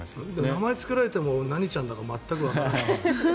名前つけられても何ちゃんだか全くわからない。